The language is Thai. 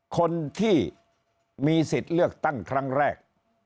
คนที่มีสิทธิ์เลือกตั้งครั้งแรก